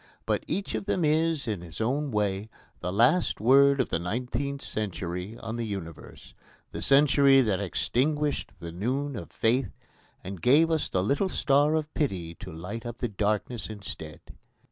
But each of them is, in his own way, the last word of the nineteenth century on the universe the century that extinguished the noon of faith and gave us the little star of pity to light up the darkness instead.